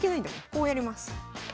こうやります。